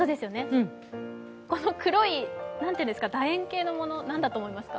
この黒いだ円形のもの何だと思いますか？